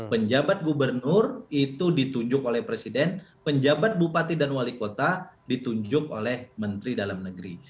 penjabat gubernur itu ditunjuk oleh presiden penjabat bupati dan wali kota ditunjuk oleh menteri dalam negeri